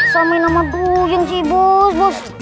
samain sama duyung sih bos